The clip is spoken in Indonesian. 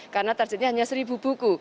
karena targetnya hanya seribu buku